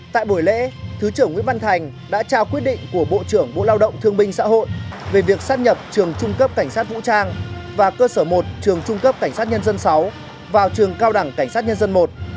tại buổi lễ thứ trưởng nguyễn văn thành đã trao quyết định của bộ trưởng bộ lao động thương binh xã hội về việc sắp nhập trường trung cấp cảnh sát vũ trang và cơ sở một trường trung cấp cảnh sát nhân dân sáu vào trường cao đẳng cảnh sát nhân dân i